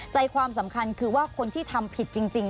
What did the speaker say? ใจความสำคัญคือว่าคนที่ทำผิดจริง